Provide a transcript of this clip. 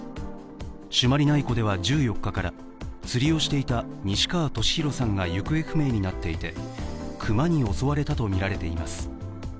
朱鞠内湖では１４日から、釣りをしていた西川俊宏さんが行方不明になっていて、熊に襲われたとみられています。